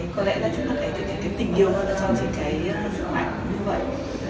có lẽ là chúng ta có thể tình yêu hơn cho chị cái sức mạnh như vậy